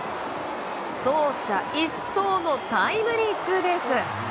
走者一掃のタイムリーツーベース。